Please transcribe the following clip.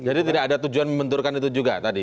jadi tidak ada tujuan membenturkan itu juga tadi